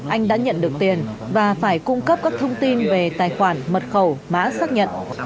anh đã nhận được tiền và phải cung cấp các thông tin về tài khoản mật khẩu mã xác nhận